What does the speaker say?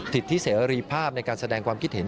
ที่เสรีภาพในการแสดงความคิดเห็น